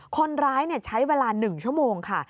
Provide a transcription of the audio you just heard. คนร้ายใช้เวลา๑ชั่วโมงค่ะ